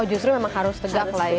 justru memang harus tegak lah ya